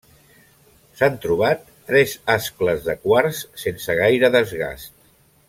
S’han trobat tres ascles de quars sense gaire desgast.